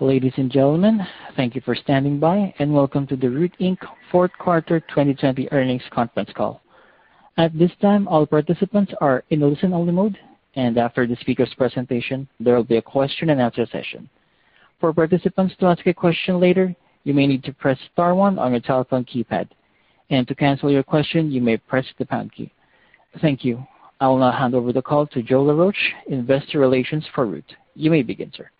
Ladies and gentlemen, thank you for standing by, welcome to the Root, Inc. Fourth Quarter 2020 Earnings Conference Call. At this time, all participants are in a listen-only mode, after the speaker's presentation, there will be a question and answer session. For participants to ask a question later, you may need to press star one on your telephone keypad. To cancel your question, you may press the pound key. Thank you. I will now hand over the call to Joe Laroche, investor relations for Root. You may begin, sir.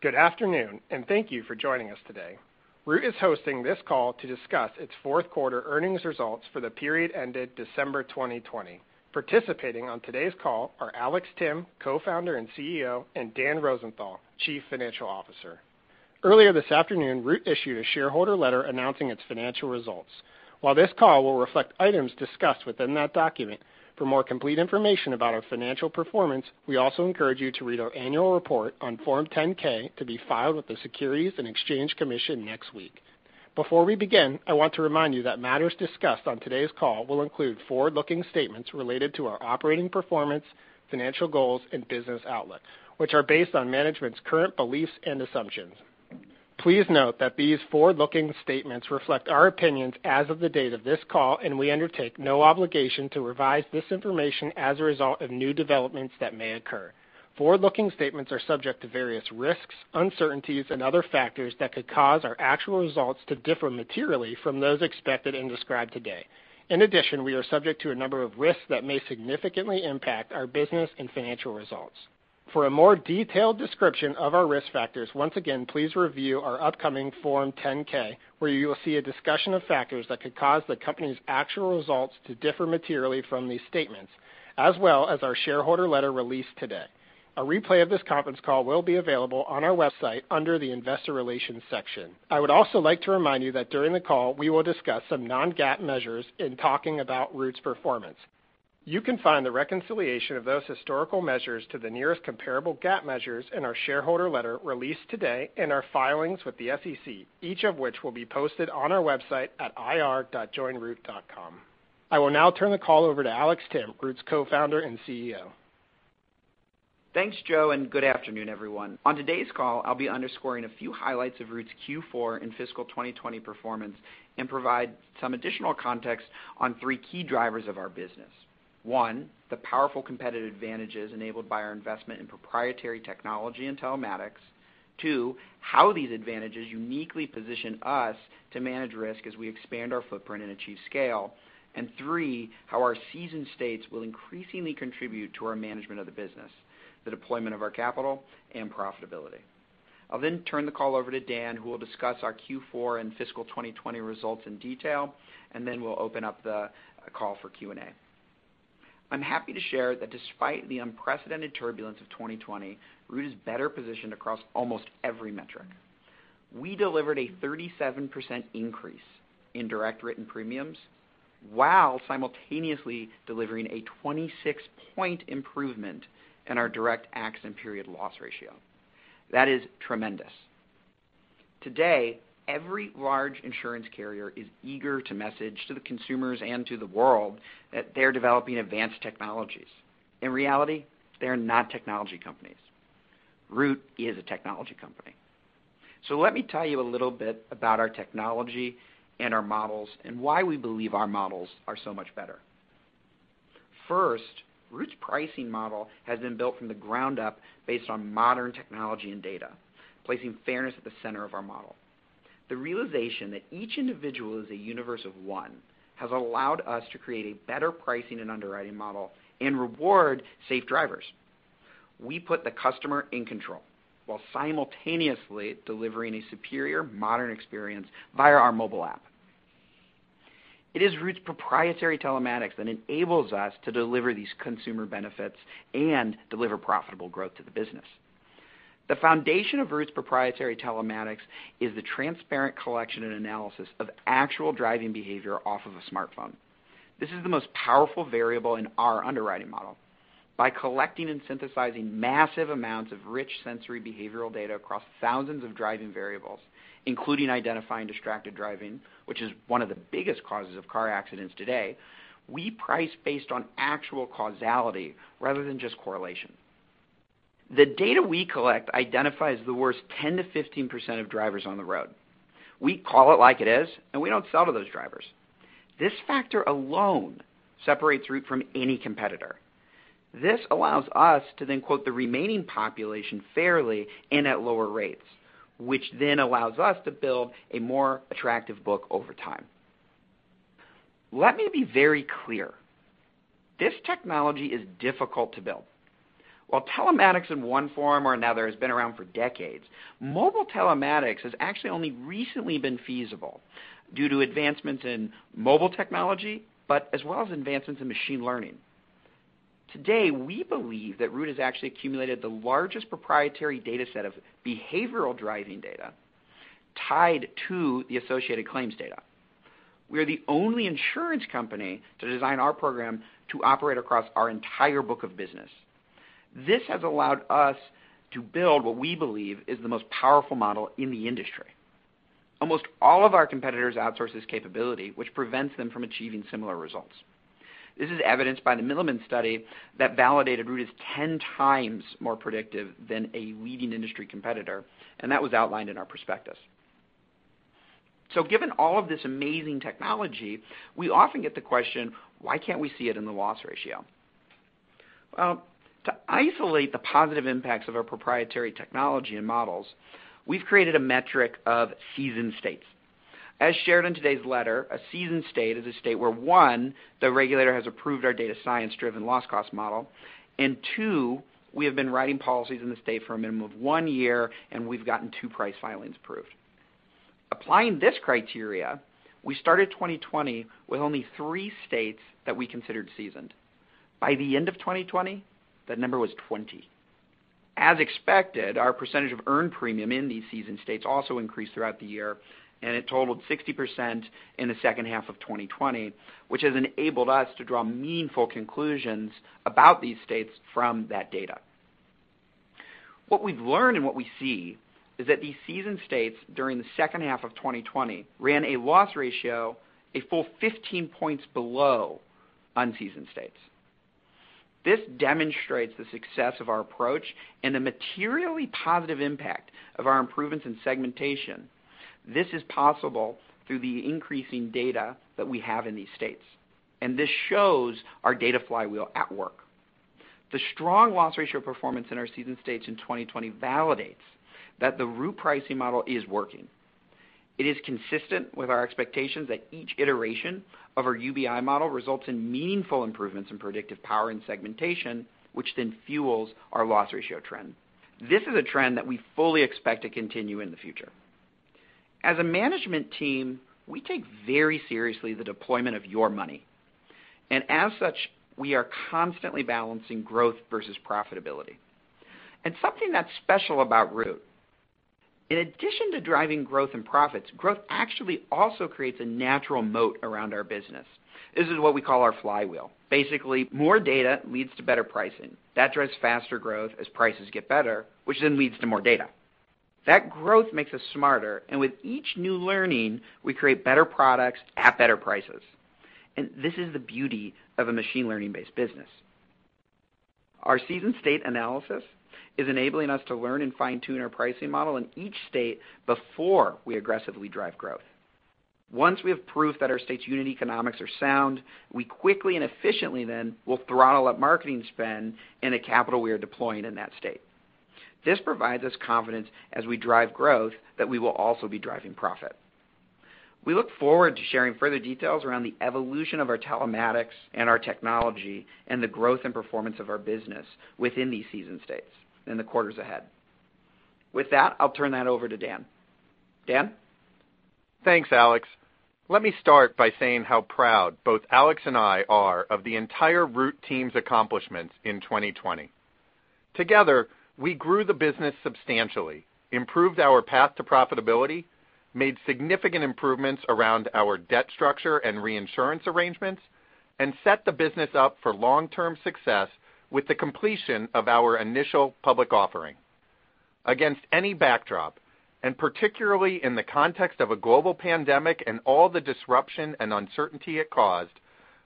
Good afternoon. Thank you for joining us today. Root is hosting this call to discuss its fourth quarter earnings results for the period ended December 2020. Participating on today's call are Alex Timm, Co-Founder and CEO, and Dan Rosenthal, Chief Financial Officer. Earlier this afternoon, Root issued a shareholder letter announcing its financial results. While this call will reflect items discussed within that document, for more complete information about our financial performance, we also encourage you to read our annual report on Form 10-K to be filed with the Securities and Exchange Commission next week. Before we begin, I want to remind you that matters discussed on today's call will include forward-looking statements related to our operating performance, financial goals, and business outlook, which are based on management's current beliefs and assumptions. Please note that these forward-looking statements reflect our opinions as of the date of this call, and we undertake no obligation to revise this information as a result of new developments that may occur. Forward-looking statements are subject to various risks, uncertainties, and other factors that could cause our actual results to differ materially from those expected and described today. In addition, we are subject to a number of risks that may significantly impact our business and financial results. For a more detailed description of our risk factors, once again, please review our upcoming Form 10-K, where you will see a discussion of factors that could cause the company's actual results to differ materially from these statements, as well as our shareholder letter released today. A replay of this conference call will be available on our website under the investor relations section. I would also like to remind you that during the call, we will discuss some non-GAAP measures in talking about Root's performance. You can find the reconciliation of those historical measures to the nearest comparable GAAP measures in our shareholder letter released today in our filings with the SEC, each of which will be posted on our website at ir.joinroot.com. I will now turn the call over to Alex Timm, Root's Co-Founder and Chief Executive Officer. Thanks, Joe, and good afternoon, everyone. On today's call, I'll be underscoring a few highlights of Root's Q4 and fiscal 2020 performance and provide some additional context on three key drivers of our business. One, the powerful competitive advantages enabled by our investment in proprietary technology and telematics. Two, how these advantages uniquely position us to manage risk as we expand our footprint and achieve scale. Three, how our seasoned states will increasingly contribute to our management of the business, the deployment of our capital, and profitability. I'll then turn the call over to Dan, who will discuss our Q4 and fiscal 2020 results in detail, and then we'll open up the call for Q&A. I'm happy to share that despite the unprecedented turbulence of 2020, Root is better positioned across almost every metric. We delivered a 37% increase in direct written premiums while simultaneously delivering a 26-point improvement in our Direct Accident Period Loss Ratio. That is tremendous. Today, every large insurance carrier is eager to message to the consumers and to the world that they're developing advanced technologies. In reality, they are not technology companies. Root is a technology company. Let me tell you a little bit about our technology and our models, and why we believe our models are so much better. First, Root's pricing model has been built from the ground up based on modern technology and data, placing fairness at the center of our model. The realization that each individual is a universe of one has allowed us to create a better pricing and underwriting model and reward safe drivers. We put the customer in control while simultaneously delivering a superior modern experience via our mobile app. It is Root's proprietary telematics that enables us to deliver these consumer benefits and deliver profitable growth to the business. The foundation of Root's proprietary telematics is the transparent collection and analysis of actual driving behavior off of a smartphone. This is the most powerful variable in our underwriting model. By collecting and synthesizing massive amounts of rich sensory behavioral data across thousands of driving variables, including identifying distracted driving, which is one of the biggest causes of car accidents today, we price based on actual causality rather than just correlation. The data we collect identifies the worst 10%-15% of drivers on the road. We call it like it is, we don't sell to those drivers. This factor alone separates Root from any competitor. This allows us to then quote the remaining population fairly and at lower rates, which then allows us to build a more attractive book over time. Let me be very clear. This technology is difficult to build. While telematics in one form or another has been around for decades, mobile telematics has actually only recently been feasible due to advancements in mobile technology, but as well as advancements in machine learning. Today, we believe that Root has actually accumulated the largest proprietary data set of behavioral driving data tied to the associated claims data. We are the only insurance company to design our program to operate across our entire book of business. This has allowed us to build what we believe is the most powerful model in the industry. Almost all of our competitors outsource this capability, which prevents them from achieving similar results. This is evidenced by the Milliman study that validated Root is 10 times more predictive than a leading industry competitor, and that was outlined in our prospectus. Given all of this amazing technology, we often get the question: why can't we see it in the loss ratio? To isolate the positive impacts of our proprietary technology and models, we've created a metric of seasoned states. As shared in today's letter, a seasoned state is a state where, one, the regulator has approved our data science driven loss cost model, and two, we have been writing policies in the state for a minimum of one year and we've gotten two price filings approved. Applying this criteria, we started 2020 with only three states that we considered seasoned. By the end of 2020, that number was 20. As expected, our percentage of earned premium in these seasoned states also increased throughout the year, and it totaled 60% in the second half of 2020, which has enabled us to draw meaningful conclusions about these states from that data. What we've learned and what we see is that these seasoned states, during the second half of 2020, ran a loss ratio a full 15 points below unseasoned states. This demonstrates the success of our approach and the materially positive impact of our improvements in segmentation. This is possible through the increasing data that we have in these states, and this shows our data flywheel at work. The strong loss ratio performance in our seasoned states in 2020 validates that the Root pricing model is working. It is consistent with our expectations that each iteration of our UBI model results in meaningful improvements in predictive power and segmentation, which then fuels our loss ratio trend. This is a trend that we fully expect to continue in the future. As a management team, we take very seriously the deployment of your money. As such, we are constantly balancing growth versus profitability. Something that's special about Root, in addition to driving growth and profits, growth actually also creates a natural moat around our business. This is what we call our flywheel. Basically, more data leads to better pricing. That drives faster growth as prices get better, which then leads to more data. That growth makes us smarter, and with each new learning, we create better products at better prices. This is the beauty of a machine learning based business. Our seasoned state analysis is enabling us to learn and fine-tune our pricing model in each state before we aggressively drive growth. Once we have proof that our state's unit economics are sound, we quickly and efficiently then will throttle up marketing spend and the capital we are deploying in that state. This provides us confidence as we drive growth, that we will also be driving profit. We look forward to sharing further details around the evolution of our telematics and our technology and the growth and performance of our business within these seasoned states in the quarters ahead. With that, I'll turn that over to Dan. Dan? Thanks, Alex. Let me start by saying how proud both Alex and I are of the entire Root team's accomplishments in 2020. Together, we grew the business substantially, improved our path to profitability, made significant improvements around our debt structure and reinsurance arrangements, and set the business up for long-term success with the completion of our initial public offering. Against any backdrop, and particularly in the context of a global pandemic and all the disruption and uncertainty it caused,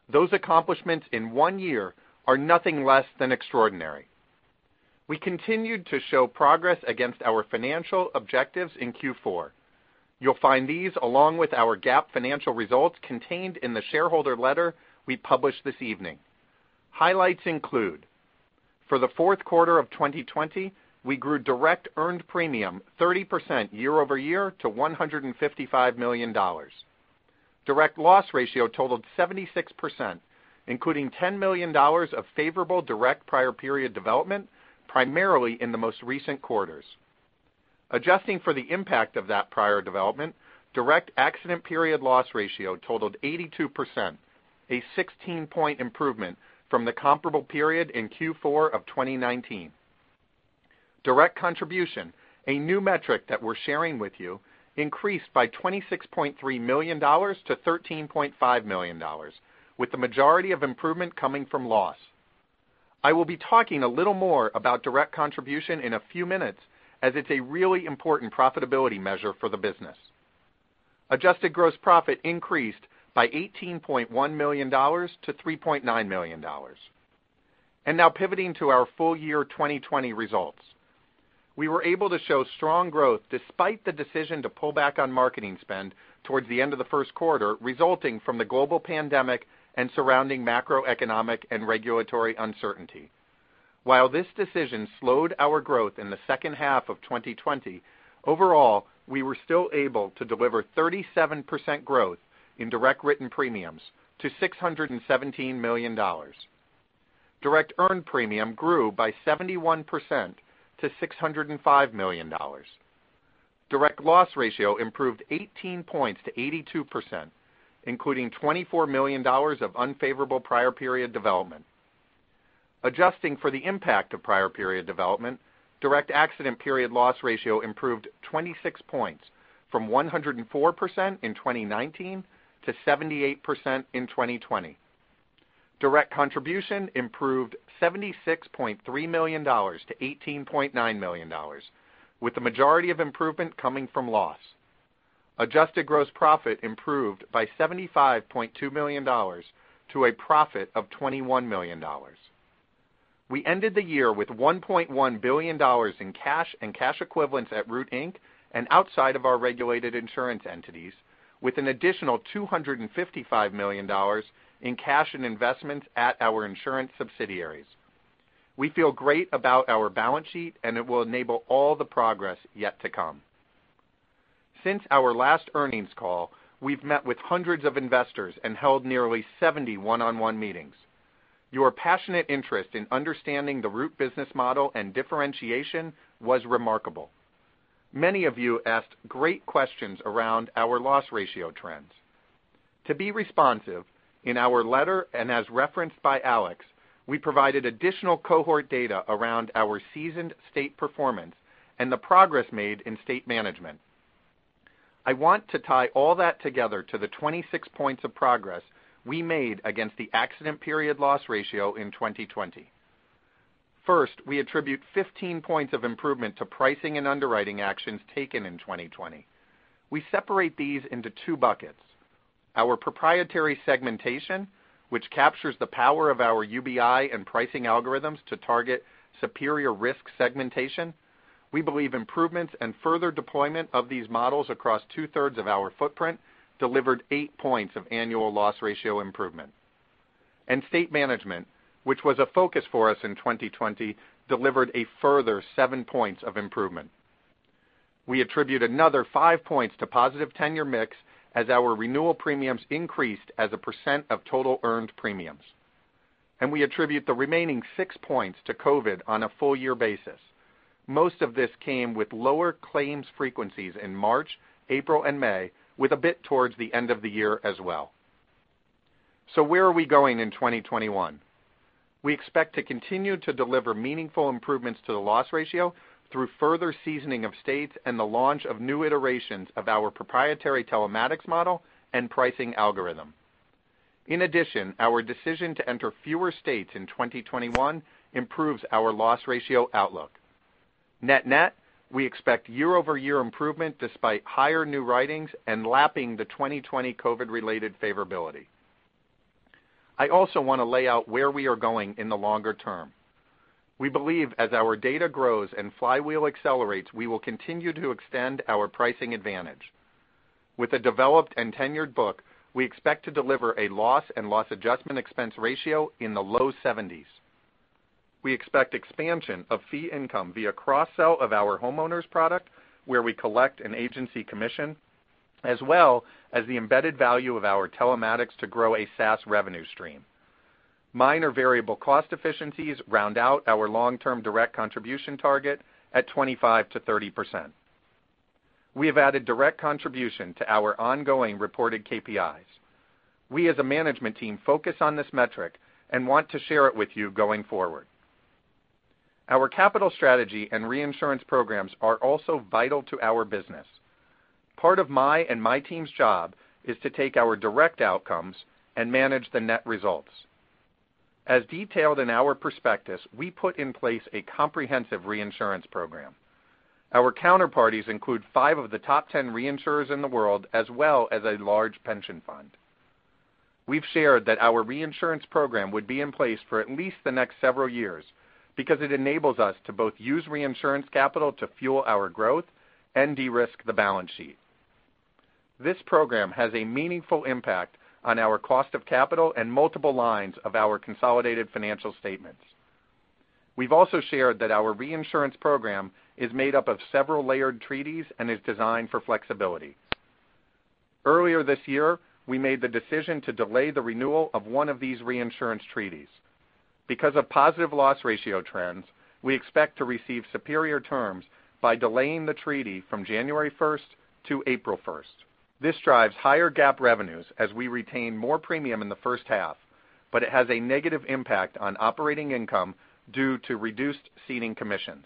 those accomplishments in one year are nothing less than extraordinary. We continued to show progress against our financial objectives in Q4. You'll find these, along with our GAAP financial results, contained in the shareholder letter we published this evening. Highlights include: For the fourth quarter of 2020, we grew Direct Earned Premium 30% year-over-year to $155 million. Direct loss ratio totaled 76%, including $10 million of favorable direct prior period development, primarily in the most recent quarters. Adjusting for the impact of that prior development, Direct Accident Period Loss Ratio totaled 82%, a 16-point improvement from the comparable period in Q4 of 2019. Direct Contribution, a new metric that we're sharing with you, increased by $26.3 million-$13.5 million, with the majority of improvement coming from loss. I will be talking a little more about Direct Contribution in a few minutes, as it's a really important profitability measure for the business. Adjusted Gross Profit increased by $18.1 million-$3.9 million. Now pivoting to our full year 2020 results. We were able to show strong growth despite the decision to pull back on marketing spend towards the end of the first quarter, resulting from the global pandemic and surrounding macroeconomic and regulatory uncertainty. While this decision slowed our growth in the second half of 2020, overall, we were still able to deliver 37% growth in Direct Written Premiums to $617 million. Direct Earned Premium grew by 71% to $605 million. Direct loss ratio improved 18 points to 82%, including $24 million of unfavorable prior period development. Adjusting for the impact of prior period development, Direct Accident Period Loss Ratio improved 26 points from 104% in 2019 to 78% in 2020. Direct Contribution improved $76.3 million-$18.9 million, with the majority of improvement coming from loss. Adjusted Gross Profit improved by $75.2 million to a profit of $21 million. We ended the year with $1.1 billion in cash and cash equivalents at Root, Inc., and outside of our regulated insurance entities, with an additional $255 million in cash and investments at our insurance subsidiaries. We feel great about our balance sheet, and it will enable all the progress yet to come. Since our last earnings call, we've met with hundreds of investors and held nearly 70 one-on-one meetings. Your passionate interest in understanding the Root business model and differentiation was remarkable. Many of you asked great questions around our loss ratio trends. To be responsive, in our letter, and as referenced by Alex, we provided additional cohort data around our seasoned state performance and the progress made in state management. I want to tie all that together to the 26 points of progress we made against the Direct Accident Period Loss Ratio in 2020. First, we attribute 15 points of improvement to pricing and underwriting actions taken in 2020. We separate these into two buckets. Our proprietary segmentation, which captures the power of our UBI and pricing algorithms to target superior risk segmentation. We believe improvements and further deployment of these models across two-thirds of our footprint delivered eight points of annual loss ratio improvement. State management, which was a focus for us in 2020, delivered a further seven points of improvement. We attribute another five points to positive tenure mix, as our renewal premiums increased as a percent of total earned premiums. We attribute the remaining six points to COVID on a full year basis. Most of this came with lower claims frequencies in March, April, and May, with a bit towards the end of the year as well. Where are we going in 2021? We expect to continue to deliver meaningful improvements to the loss ratio through further seasoning of states and the launch of new iterations of our proprietary telematics model and pricing algorithm. In addition, our decision to enter fewer states in 2021 improves our loss ratio outlook. Net-net, we expect year-over-year improvement despite higher new writings and lapping the 2020 COVID related favorability. I also want to lay out where we are going in the longer term. We believe as our data grows and flywheel accelerates, we will continue to extend our pricing advantage. With a developed and tenured book, we expect to deliver a loss and loss adjustment expense ratio in the low 70s. We expect expansion of fee income via cross-sell of our homeowners product, where we collect an agency commission, as well as the embedded value of our telematics to grow a SaaS revenue stream. Minor variable cost efficiencies round out our long-term Direct Contribution target at 25%-30%. We have added Direct Contribution to our ongoing reported KPIs. We, as a management team, focus on this metric and want to share it with you going forward. Our capital strategy and reinsurance programs are also vital to our business. Part of my and my team's job is to take our direct outcomes and manage the net results. As detailed in our prospectus, we put in place a comprehensive reinsurance program. Our counterparties include five of the top 10 reinsurers in the world, as well as a large pension fund. We've shared that our reinsurance program would be in place for at least the next several years because it enables us to both use reinsurance capital to fuel our growth and de-risk the balance sheet. This program has a meaningful impact on our cost of capital and multiple lines of our consolidated financial statements. We've also shared that our reinsurance program is made up of several layered treaties and is designed for flexibility. Earlier this year, we made the decision to delay the renewal of one of these reinsurance treaties. Because of positive loss ratio trends, we expect to receive superior terms by delaying the treaty from January 1st to April 1st. This drives higher GAAP revenues as we retain more premium in the first half, but it has a negative impact on operating income due to reduced ceding commissions.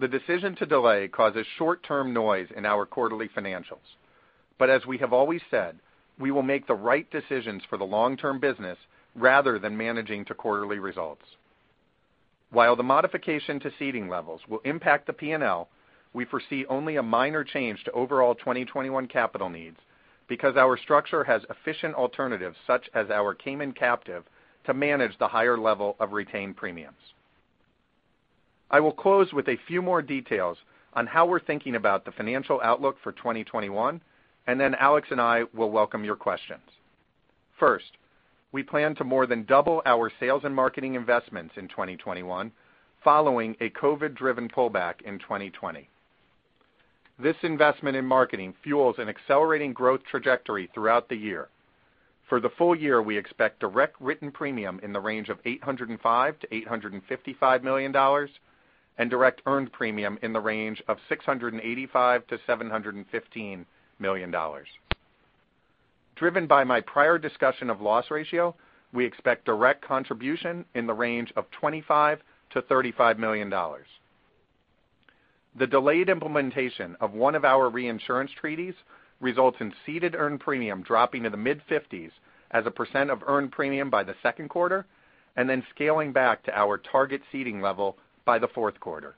The decision to delay causes short-term noise in our quarterly financials. As we have always said, we will make the right decisions for the long-term business rather than managing to quarterly results. While the modification to ceding levels will impact the P&L, we foresee only a minor change to overall 2021 capital needs because our structure has efficient alternatives, such as our Cayman captive to manage the higher level of retained premiums. I will close with a few more details on how we're thinking about the financial outlook for 2021, and then Alex and I will welcome your questions. First, we plan to more than double our sales and marketing investments in 2021, following a COVID-driven pullback in 2020. This investment in marketing fuels an accelerating growth trajectory throughout the year. For the full year, we expect Direct Written Premium in the range of $805 million-$855 million, and Direct Earned Premium in the range of $685 million-$715 million. Driven by my prior discussion of loss ratio, we expect Direct Contribution in the range of $25 million-$35 million. The delayed implementation of one of our reinsurance treaties results in ceded earned premium dropping to the mid-50s as a % of earned premium by the second quarter, and then scaling back to our target ceding level by the fourth quarter.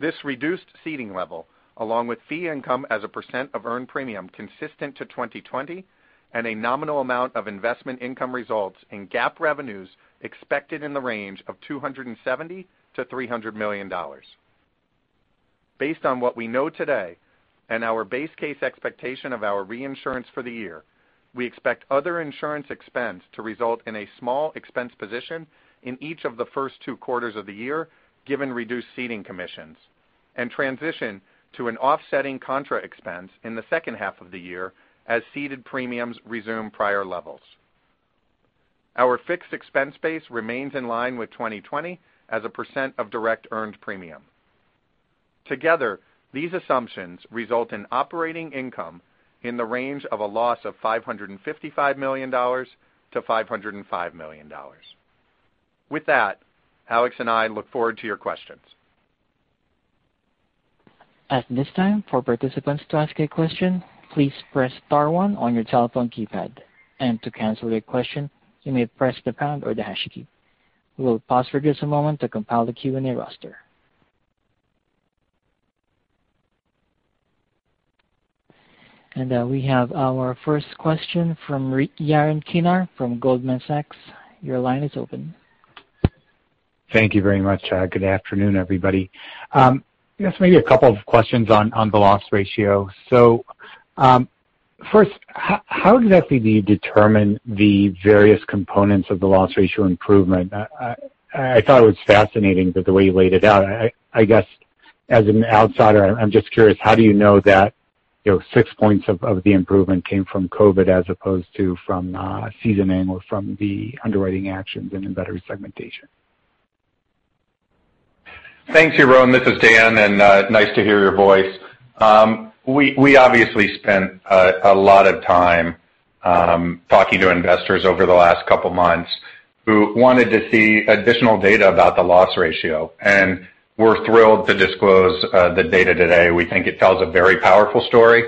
This reduced ceding level, along with fee income as a % of earned premium consistent to 2020, and a nominal amount of investment income results in GAAP revenues expected in the range of $270 million-$300 million. Based on what we know today and our base case expectation of our reinsurance for the year, we expect other insurance expense to result in a small expense position in each of the first two quarters of the year, given reduced ceding commissions, and transition to an offsetting contra expense in the second half of the year as ceded premiums resume prior levels. Our fixed expense base remains in line with 2020 as a percent of Direct Earned Premium. Together, these assumptions result in operating income in the range of a loss of $555 million-$505 million. With that, Alex and I look forward to your questions. At this time, for participants to ask a question, please press star one on your telephone keypad. To cancel your question, you may press the pound or the hash key. We will pause for just a moment to compile the Q&A roster. We have our first question from Yaron Kinar from Goldman Sachs. Your line is open. Thank you very much. Good afternoon, everybody. Yes, maybe a couple of questions on the loss ratio. First, how exactly do you determine the various components of the loss ratio improvement? I thought it was fascinating that the way you laid it out. I guess as an outsider, I'm just curious, how do you know that six points of the improvement came from COVID as opposed to from seasoning or from the underwriting actions and the better segmentation? Thanks, Yaron. This is Dan, and nice to hear your voice. We obviously spent a lot of time talking to investors over the last couple of months who wanted to see additional data about the loss ratio. We're thrilled to disclose the data today. We think it tells a very powerful story.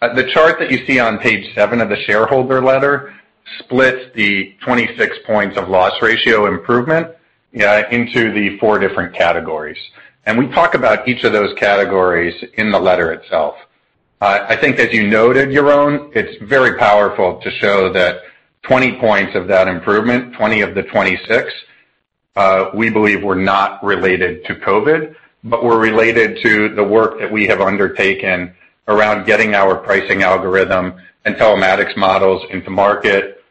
The chart that you see on page seven of the shareholder letter splits the 26 points of loss ratio improvement into the four different categories. We talk about each of those categories in the letter itself. I think as you noted, Yaron, it's very powerful to show that 20 points of that improvement, 20 of the 26, we believe were not related to COVID, but were related to the work that we have undertaken around getting our pricing algorithm and telematics models into market,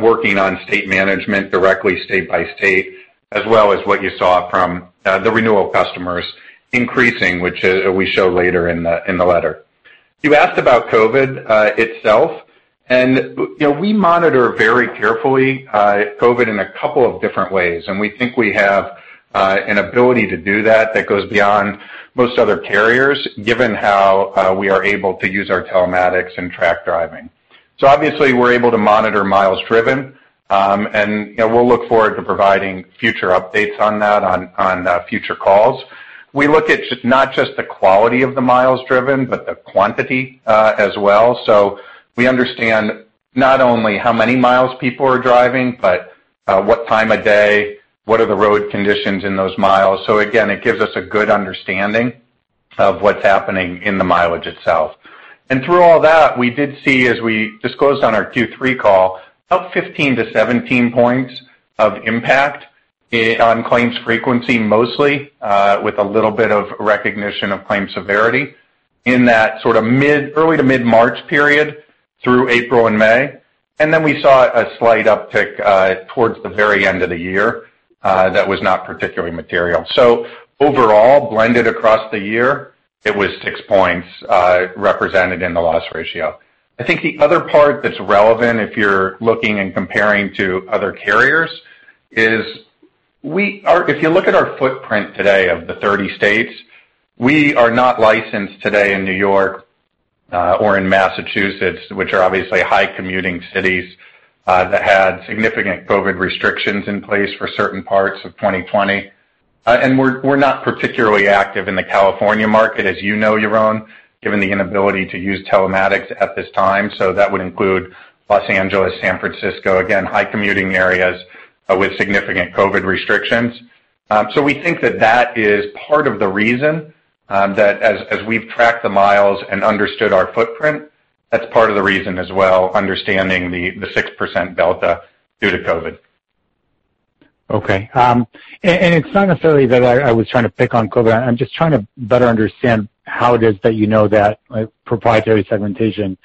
working on state management directly state by state, as well as what you saw from the renewal customers increasing, which we show later in the letter. You asked about COVID itself. We monitor very carefully COVID in a couple of different ways. We think we have an ability to do that that goes beyond most other carriers, given how we are able to use our telematics and track driving. Obviously, we're able to monitor miles driven. We'll look forward to providing future updates on that on future calls. We look at not just the quality of the miles driven, but the quantity as well. We understand not only how many miles people are driving, but what time of day, what are the road conditions in those miles. Again, it gives us a good understanding of what's happening in the mileage itself. Through all that, we did see, as we disclosed on our Q3 call, about 15-17 points of impact on claims frequency, mostly, with a little bit of recognition of claim severity in that early to mid-March period through April and May. Then we saw a slight uptick towards the very end of the year that was not particularly material. Overall, blended across the year, it was six points represented in the loss ratio. I think the other part that's relevant if you're looking and comparing to other carriers is if you look at our footprint today of the 30 states, we are not licensed today in New York or in Massachusetts, which are obviously high commuting cities that had significant COVID restrictions in place for certain parts of 2020. We're not particularly active in the California market, as you know, Yaron, given the inability to use telematics at this time. That would include Los Angeles, San Francisco, again, high commuting areas with significant COVID restrictions. We think that that is part of the reason that as we've tracked the miles and understood our footprint, that's part of the reason as well, understanding the 6% delta due to COVID. Okay. It's not necessarily that I was trying to pick on COVID. I'm just trying to better understand how it is that you know that proprietary segmentation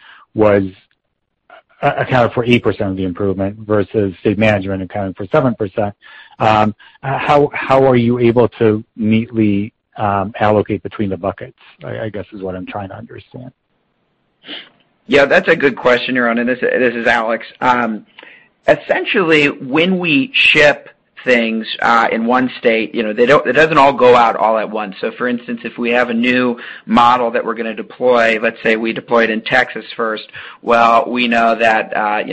accounted for 8% of the improvement versus state management accounting for 7%. How are you able to neatly allocate between the buckets, I guess is what I'm trying to understand. Yeah, that's a good question, Yaron, and this is Alex. Essentially, when we ship things in one state, it doesn't all go out all at once. For instance, if we have a new model that we're going to deploy, let's say we deploy it in Texas first. Well, we know that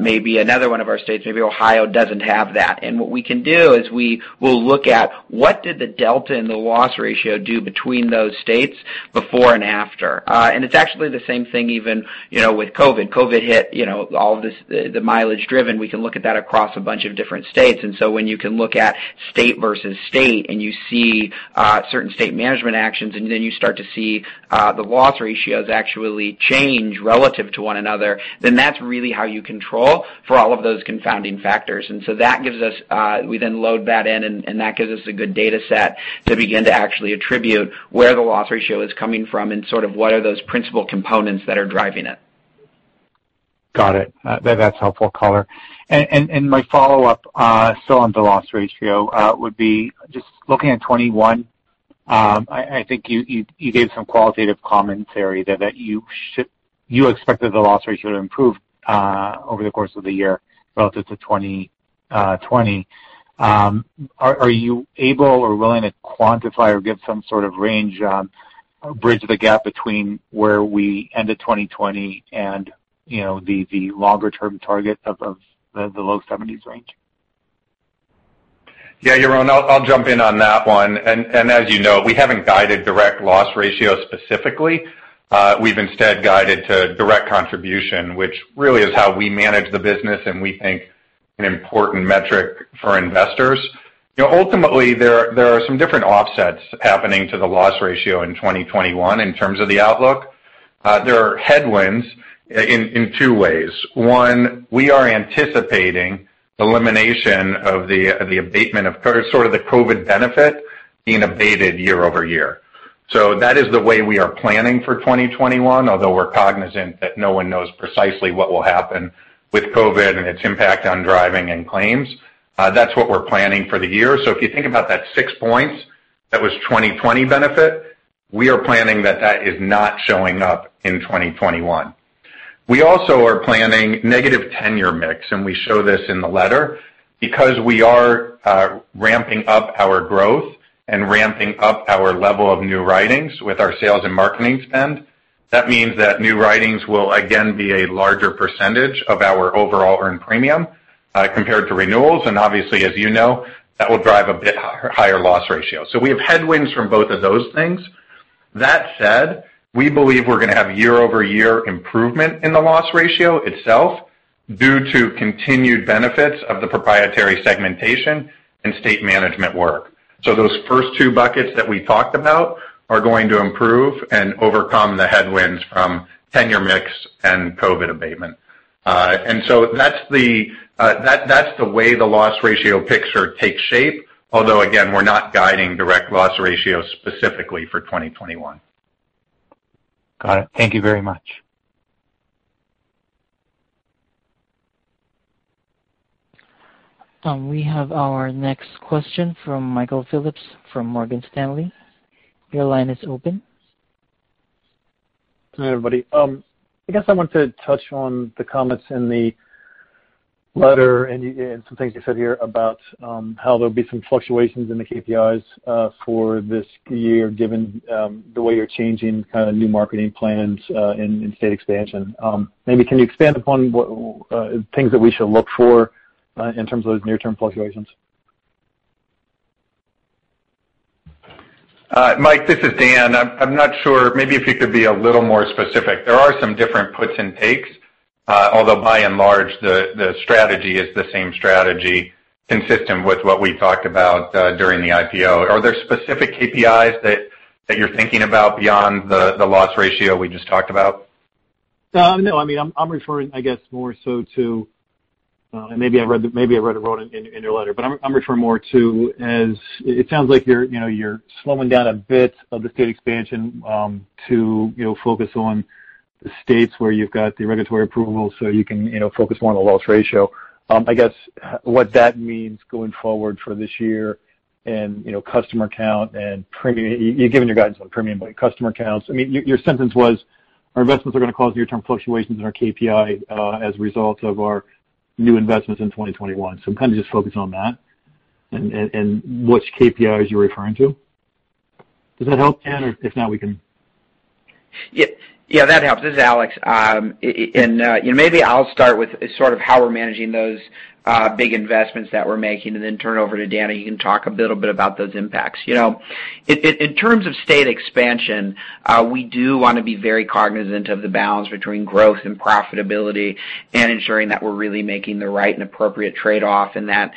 maybe another one of our states, maybe Ohio, doesn't have that. What we can do is we will look at what did the delta and the loss ratio do between those states before and after. It's actually the same thing, even with COVID. COVID hit all of this, the mileage driven, we can look at that across a bunch of different states. When you can look at state versus state, and you see certain state management actions, and then you start to see the loss ratios actually change relative to one another, then that's really how you control for all of those confounding factors. We then load that in, and that gives us a good data set to begin to actually attribute where the loss ratio is coming from and sort of what are those principal components that are driving it. Got it. That's helpful, color. My follow-up, still on the loss ratio, would be just looking at 2021. I think you gave some qualitative commentary there that you expected the loss ratio to improve over the course of the year relative to 2020. Are you able or willing to quantify or give some sort of range on, or bridge the gap between where we ended 2020 and the longer-term target of the low 70s range? Yeah, Yaron, I'll jump in on that one. As you know, we haven't guided direct loss ratio specifically. We've instead guided to Direct Contribution, which really is how we manage the business and we think an important metric for investors. Ultimately, there are some different offsets happening to the loss ratio in 2021 in terms of the outlook. There are headwinds in two ways. One, we are anticipating elimination of the abatement of sort of the COVID benefit being abated year-over-year. That is the way we are planning for 2021, although we're cognizant that no one knows precisely what will happen with COVID and its impact on driving and claims. That's what we're planning for the year. If you think about that six points, that was 2020 benefit, we are planning that that is not showing up in 2021. We also are planning negative tenure mix, and we show this in the letter because we are ramping up our growth and ramping up our level of new writings with our sales and marketing spend. That means that new writings will again be a larger percentage of our overall earned premium compared to renewals, and obviously, as you know, that will drive a bit higher loss ratio. We have headwinds from both of those things. That said, we believe we're going to have year-over-year improvement in the loss ratio itself due to continued benefits of the proprietary segmentation and state management work. Those first two buckets that we talked about are going to improve and overcome the headwinds from tenure mix and COVID abatement. That's the way the loss ratio picture takes shape. Although, again, we're not guiding direct loss ratio specifically for 2021. Got it. Thank you very much. We have our next question from Michael Phillips from Morgan Stanley. Your line is open. Hi, everybody. I guess I want to touch on the comments in the letter and some things you said here about how there'll be some fluctuations in the KPIs for this year, given the way you're changing kind of new marketing plans and state expansion. Maybe can you expand upon what things that we should look for in terms of those near-term fluctuations? Mike, this is Dan. I'm not sure. Maybe if you could be a little more specific. There are some different puts and takes. By and large, the strategy is the same strategy consistent with what we talked about during the IPO. Are there specific KPIs that you're thinking about beyond the loss ratio we just talked about? No, I'm referring, I guess, more so to, and maybe I read it wrong in your letter, but I'm referring more to as it sounds like you're slowing down a bit of the state expansion to focus on the states where you've got the regulatory approval so you can focus more on the loss ratio. I guess what that means going forward for this year and customer count and premium. You've given your guidance on premium by customer counts. Your sentence was, our investments are going to cause near-term fluctuations in our KPI as a result of our new investments in 2021. I'm kind of just focused on that and which KPIs you're referring to. Does that help, Dan? Or if not, we can Yeah, that helps. This is Alex. Maybe I'll start with sort of how we're managing those big investments that we're making and then turn it over to Dan, and he can talk a little bit about those impacts. In terms of state expansion, we do want to be very cognizant of the balance between growth and profitability and ensuring that we're really making the right and appropriate trade-off in that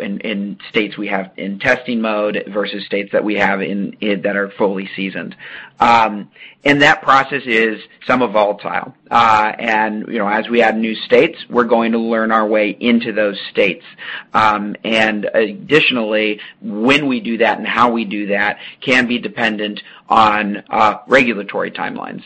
in states we have in testing mode versus states that we have that are fully seasoned. That process is somewhat volatile. As we add new states, we're going to learn our way into those states. Additionally, when we do that and how we do that can be dependent on regulatory timelines.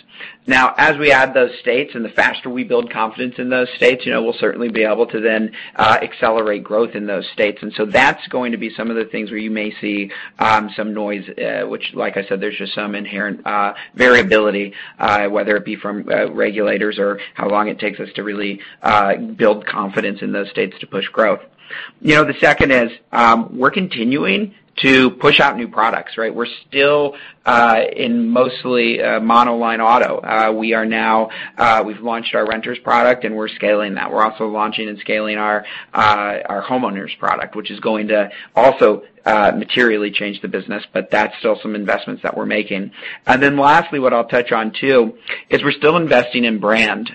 As we add those states and the faster we build confidence in those states, we'll certainly be able to then accelerate growth in those states. That's going to be some of the things where you may see some noise, which, like I said, there's just some inherent variability whether it be from regulators or how long it takes us to really build confidence in those states to push growth. The second is we're continuing to push out new products. We're still in mostly monoline auto. We've launched our renters product, and we're scaling that. We're also launching and scaling our homeowners product, which is going to also materially change the business, but that's still some investments that we're making. Lastly, what I'll touch on too, is we're still investing in brand.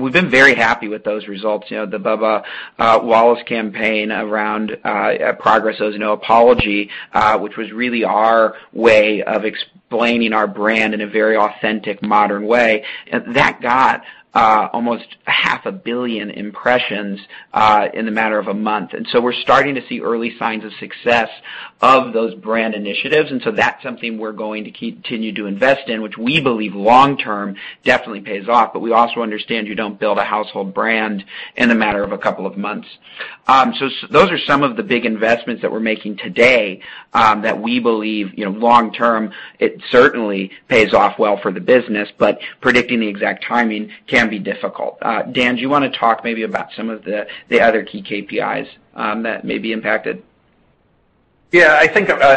We've been very happy with those results. The Bubba Wallace campaign around Progress Owes No Apology, which was really our way of explaining our brand in a very authentic, modern way. That got almost half a billion impressions in the matter of a month. We're starting to see early signs of success of those brand initiatives. That's something we're going to continue to invest in, which we believe long-term definitely pays off. We also understand you don't build a household brand in a matter of a couple of months. Those are some of the big investments that we're making today that we believe long-term, it certainly pays off well for the business, but predicting the exact timing can be difficult. Dan, do you want to talk maybe about some of the other key KPIs that may be impacted? Yeah.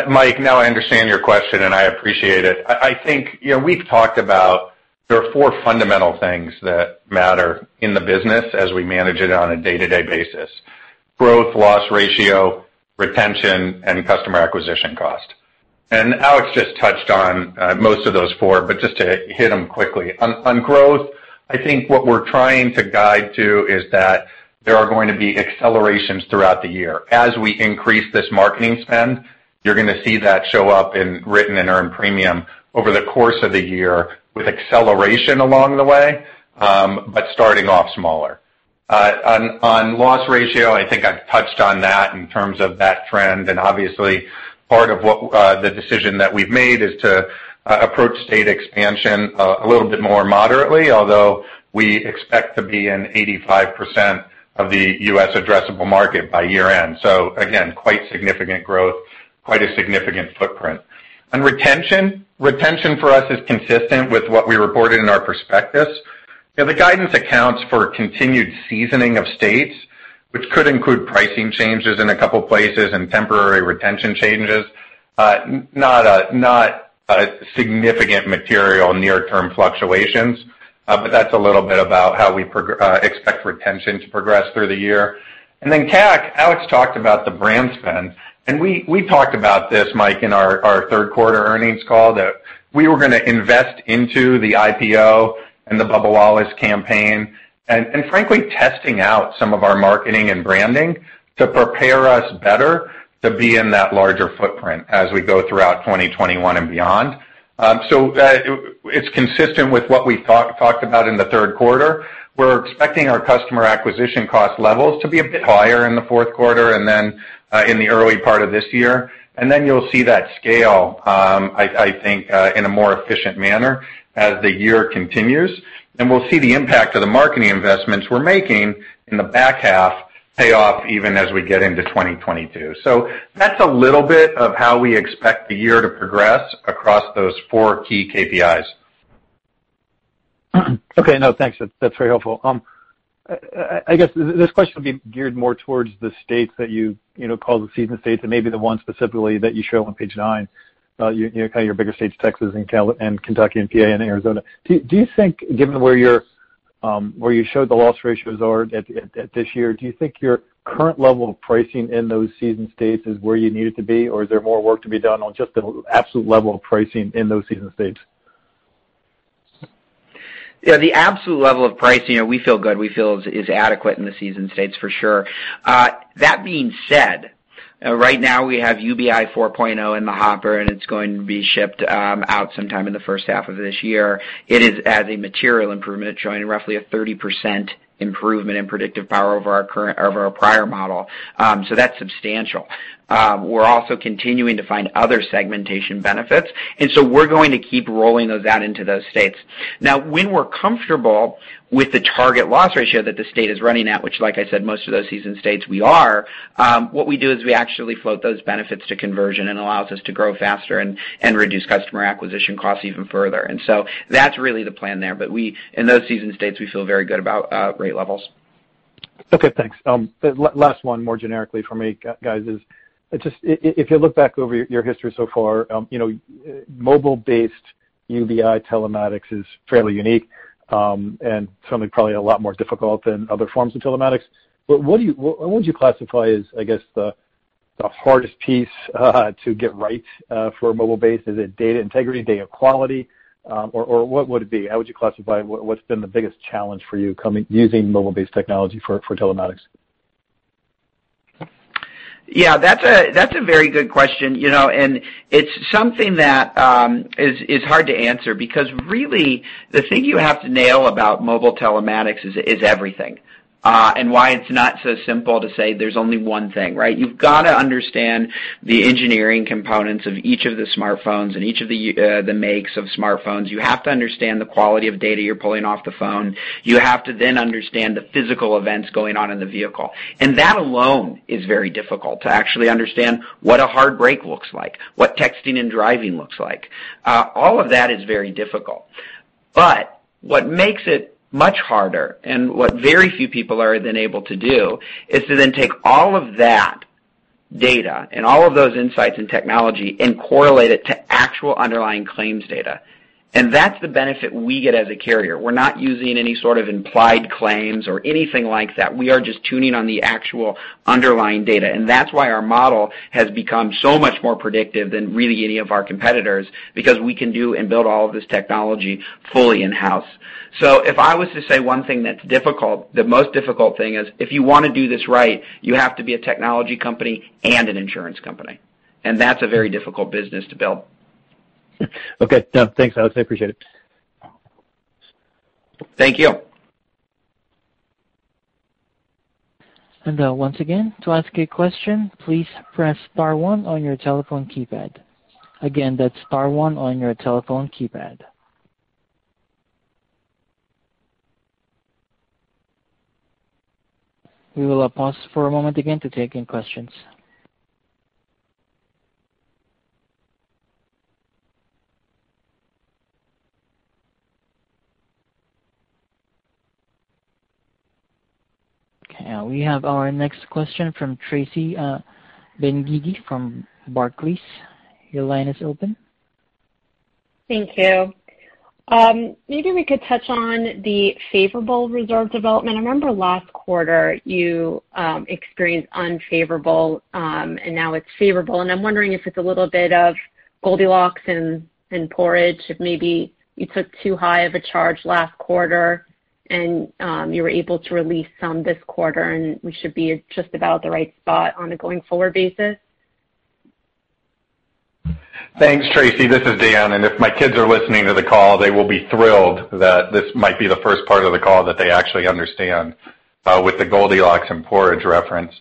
Mike, now I understand your question, and I appreciate it. We've talked about there are four fundamental things that matter in the business as we manage it on a day-to-day basis. Growth, loss ratio, retention, and customer acquisition cost. Alex just touched on most of those four, but just to hit them quickly. On growth, I think what we're trying to guide to is that there are going to be accelerations throughout the year. As we increase this marketing spend, you're going to see that show up in written and earned premium over the course of the year with acceleration along the way, but starting off smaller. On loss ratio, I think I've touched on that in terms of that trend. Obviously part of the decision that we've made is to approach state expansion a little bit more moderately, although we expect to be in 85% of the US addressable market by year-end. Again, quite significant growth, quite a significant footprint. On retention for us is consistent with what we reported in our prospectus. The guidance accounts for continued seasoning of states, which could include pricing changes in a couple places and temporary retention changes. Not significant material near-term fluctuations. That's a little bit about how we expect retention to progress through the year. Then CAC, Alex talked about the brand spend. We talked about this, Mike, in our third quarter earnings call, that we were going to invest into the IPO and the Bubba Wallace campaign. Frankly, testing out some of our marketing and branding to prepare us better to be in that larger footprint as we go throughout 2021 and beyond. It's consistent with what we talked about in the third quarter. We're expecting our customer acquisition cost levels to be a bit higher in the fourth quarter and then in the early part of this year. Then you'll see that scale, I think, in a more efficient manner as the year continues. We'll see the impact of the marketing investments we're making in the back half pay off even as we get into 2022. That's a little bit of how we expect the year to progress across those four key KPIs. Okay. No, thanks. That's very helpful. I guess this question will be geared more towards the states that you call the seasoned states and maybe the ones specifically that you show on page nine, your bigger states, Texas and Kentucky and PA and Arizona. Do you think, given where you showed the loss ratios are this year, do you think your current level of pricing in those seasoned states is where you need it to be? Is there more work to be done on just the absolute level of pricing in those seasoned states? Yeah, the absolute level of pricing, we feel good. We feel is adequate in the seasoned states for sure. That being said, right now we have UBI 4.0 in the hopper. It's going to be shipped out sometime in the first half of this year. It is as a material improvement, showing roughly a 30% improvement in predictive power over our prior model. That's substantial. We're also continuing to find other segmentation benefits. We're going to keep rolling those out into those states. When we're comfortable with the target loss ratio that the state is running at, which like I said, most of those seasoned states we are, what we do is we actually float those benefits to conversion and allows us to grow faster and reduce customer acquisition costs even further. That's really the plan there. In those seasoned states, we feel very good about rate levels. Okay, thanks. Last one, more generically from me, guys, is if you look back over your history so far, mobile-based UBI telematics is fairly unique, and something probably a lot more difficult than other forms of telematics. What would you classify as the hardest piece to get right for mobile-based? Is it data integrity, data quality? Or what would it be? How would you classify what's been the biggest challenge for you using mobile-based technology for telematics? Yeah, that's a very good question. It's something that is hard to answer because really the thing you have to nail about mobile telematics is everything. Why it's not so simple to say there's only one thing. You've got to understand the engineering components of each of the smartphones and each of the makes of smartphones. You have to understand the quality of data you're pulling off the phone. You have to then understand the physical events going on in the vehicle. That alone is very difficult to actually understand what a hard brake looks like, what texting and driving looks like. All of that is very difficult. But what makes it much harder, and what very few people are then able to do, is to then take all of that data and all of those insights and technology and correlate it to actual underlying claims data. That's the benefit we get as a carrier. We're not using any sort of implied claims or anything like that. We are just tuning on the actual underlying data. That's why our model has become so much more predictive than really any of our competitors, because we can do and build all of this technology fully in-house. If I was to say one thing that's difficult, the most difficult thing is if you want to do this right, you have to be a technology company and an insurance company, and that's a very difficult business to build. Okay, Dan. Thanks, Alex, I appreciate it. Thank you. Once again, to ask a question, please press star one on your telephone keypad. Again, that's star one on your telephone keypad. We will pause for a moment again to take in questions. We have our next question from Tracy Benguigui from Barclays. Your line is open. Thank you. Maybe we could touch on the favorable reserve development. I remember last quarter you experienced unfavorable, and now it's favorable. I'm wondering if it's a little bit of Goldilocks and porridge, if maybe you took too high of a charge last quarter and you were able to release some this quarter and we should be at just about the right spot on a going forward basis? Thanks, Tracy. This is Dan, and if my kids are listening to the call, they will be thrilled that this might be the first part of the call that they actually understand with the Goldilocks and porridge reference.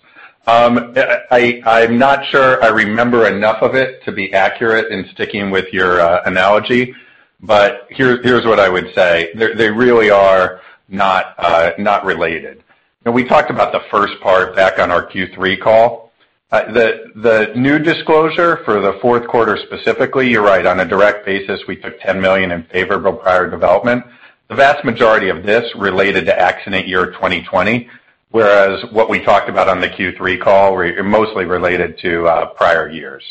I'm not sure I remember enough of it to be accurate in sticking with your analogy, but here's what I would say. They really are not related. We talked about the first part back on our Q3 call. The new disclosure for the fourth quarter specifically, you're right. On a direct basis, we took $10 million in favorable prior development. The vast majority of this related to accident year 2020, whereas what we talked about on the Q3 call were mostly related to prior years.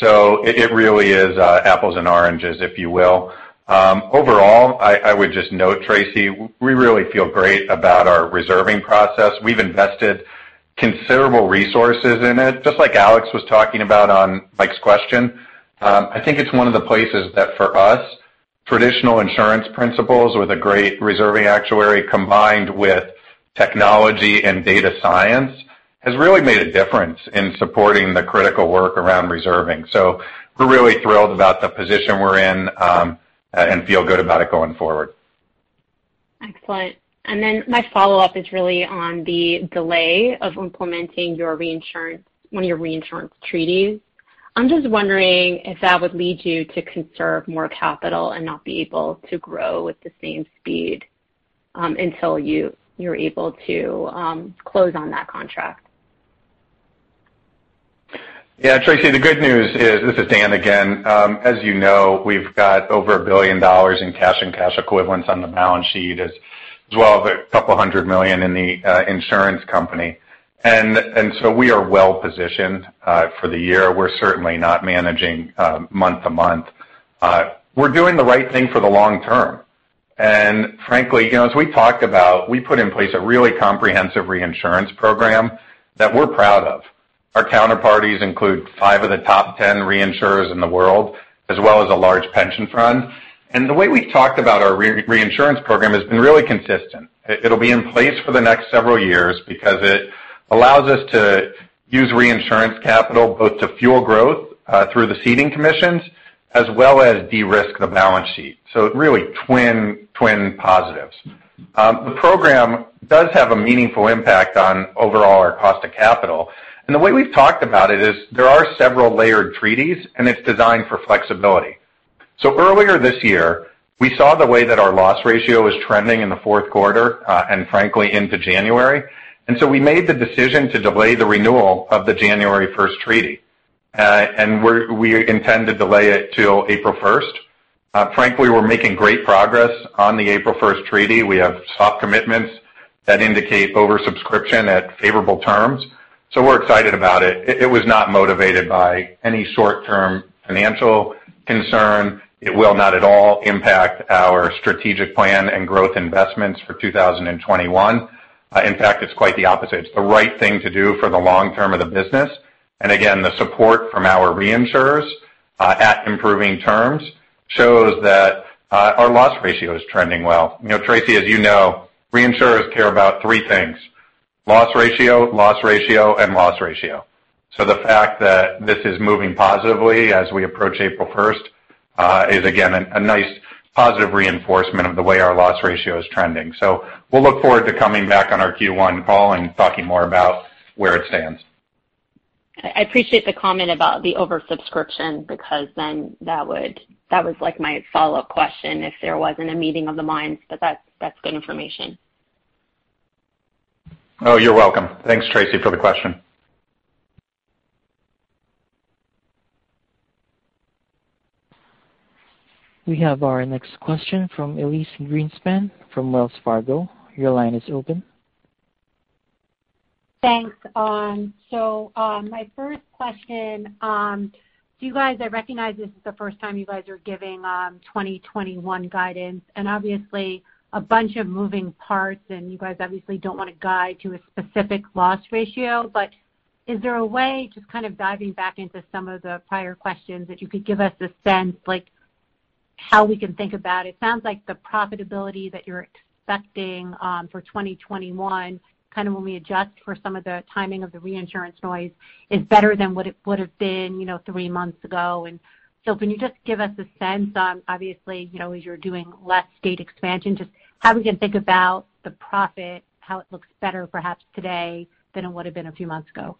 It really is apples and oranges, if you will. Overall, I would just note, Tracy, we really feel great about our reserving process. We've invested considerable resources in it. Just like Alex was talking about on Mike's question, I think it's one of the places that for us, traditional insurance principles with a great reserving actuary combined with technology and data science has really made a difference in supporting the critical work around reserving. We're really thrilled about the position we're in, and feel good about it going forward. Excellent. My follow-up is really on the delay of implementing one of your reinsurance treaties. I'm just wondering if that would lead you to conserve more capital and not be able to grow at the same speed, until you're able to close on that contract. Yeah, Tracy, the good news is, this is Dan again, as you know, we've got over $1 billion in cash and cash equivalents on the balance sheet, as well as $200 million in the insurance company. So we are well-positioned, for the year. We're certainly not managing month to month. We're doing the right thing for the long term. Frankly, as we talked about, we put in place a really comprehensive reinsurance program that we're proud of. Our counterparties include five of the top 10 reinsurers in the world, as well as a large pension fund. The way we've talked about our reinsurance program has been really consistent. It'll be in place for the next several years because it allows us to use reinsurance capital both to fuel growth, through the ceding commissions, as well as de-risk the balance sheet. Really twin positives. The program does have a meaningful impact on overall our cost of capital. The way we've talked about it is there are several layered treaties and it's designed for flexibility. Earlier this year, we saw the way that our loss ratio was trending in the fourth quarter, and frankly into January. We made the decision to delay the renewal of the January 1st treaty. We intend to delay it till April 1st. Frankly, we're making great progress on the April 1st treaty. We have soft commitments that indicate oversubscription at favorable terms, so we're excited about it. It was not motivated by any short-term financial concern. It will not at all impact our strategic plan and growth investments for 2021. In fact, it's quite the opposite. It's the right thing to do for the long term of the business. Again, the support from our reinsurers at improving terms shows that our loss ratio is trending well. Tracy, as you know, reinsurers care about three things, loss ratio, loss ratio, and loss ratio. The fact that this is moving positively as we approach April 1st is again, a nice positive reinforcement of the way our loss ratio is trending. We'll look forward to coming back on our Q1 call and talking more about where it stands. I appreciate the comment about the oversubscription, because then that was my follow-up question if there wasn't a meeting of the minds. That's good information. Oh, you're welcome. Thanks, Tracy, for the question. We have our next question from Elyse Greenspan from Wells Fargo. Your line is open. Thanks. My first question, I recognize this is the first time you guys are giving 2021 guidance, and obviously a bunch of moving parts, and you guys obviously don't want to guide to a specific loss ratio. Is there a way, just kind of diving back into some of the prior questions, that you could give us a sense, like how we can think about it? Sounds like the profitability that you're expecting for 2021, kind of when we adjust for some of the timing of the reinsurance noise, is better than what it would've been three months ago. Can you just give us a sense on, obviously, as you're doing less state expansion, just how we can think about the profit, how it looks better perhaps today than it would've been a few months ago?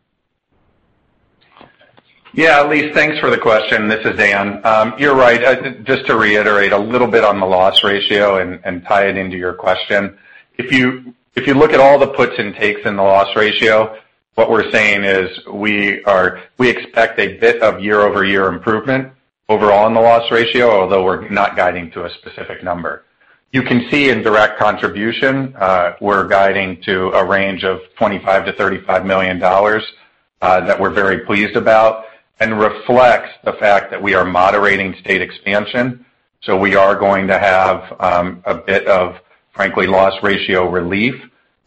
Elyse, thanks for the question. This is Dan. You're right. Just to reiterate a little bit on the loss ratio and tie it into your question. If you look at all the puts and takes in the loss ratio, what we're saying is we expect a bit of year-over-year improvement overall in the loss ratio, although we're not guiding to a specific number. You can see in Direct Contribution, we're guiding to a range of $25 million-$35 million that we're very pleased about and reflects the fact that we are moderating state expansion. We are going to have a bit of, frankly, loss ratio relief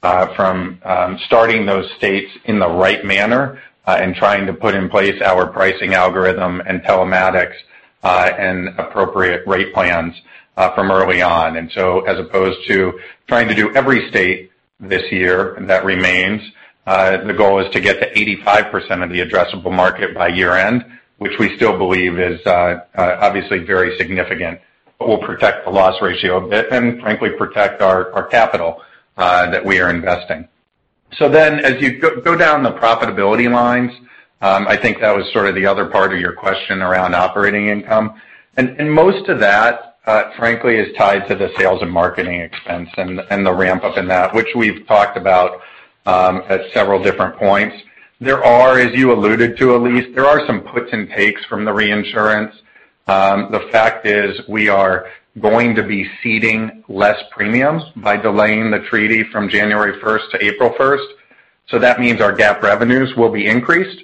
from starting those states in the right manner, and trying to put in place our pricing algorithm and telematics, and appropriate rate plans from early on. As opposed to trying to do every state this year that remains, the goal is to get to 85% of the addressable market by year-end, which we still believe is obviously very significant, but will protect the loss ratio a bit and frankly, protect our capital that we are investing. As you go down the profitability lines, I think that was sort of the other part of your question around operating income. Most of that, frankly, is tied to the sales and marketing expense and the ramp-up in that, which we've talked about at several different points. There are, as you alluded to, Elyse, there are some puts and takes from the reinsurance. The fact is, we are going to be ceding less premiums by delaying the treaty from January 1st to April 1st. That means our GAAP revenues will be increased,